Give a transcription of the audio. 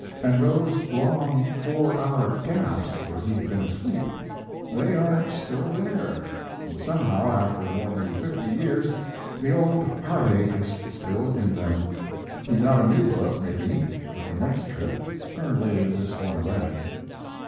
And those long four hour gaps where he had been asleep, they are still there, and somehow, after more than fifty years, the old heart ache is still in them. He got a new book, maybe, for the next trip, and laid this one away.